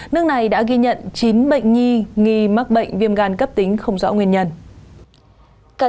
nước này đã ghi nhận chín bệnh nhi nghi mắc bệnh viêm gan cấp tính không rõ nguyên nhân